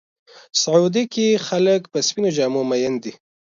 سعودي کې خلک په سپینو جامو مین دي.